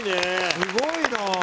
すごいな。